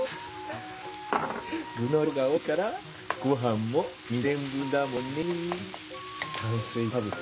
具の量が多いからご飯も２膳分だもんね。